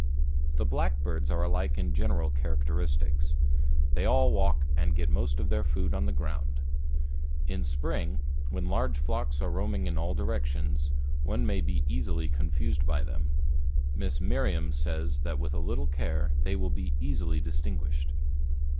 The blackbirds are alike in general characteristics. They all walk and get most of their food on the ground. In spring, when large flocks are roaming in all directions, one may easily be confused by them. Miss Merriam says that with a little care they will easily be distinguished.